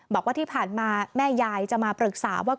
บอกว่าที่ผ่านมาแม่ยายจะมาปรึกษาว่า